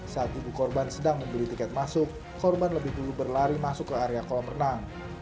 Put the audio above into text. saat ibu korban sedang membeli tiket masuk korban lebih dulu berlari masuk ke area kolam renang